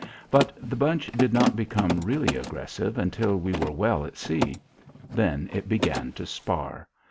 But the bunch did not become really aggressive until we were well at sea. Then it began to spar.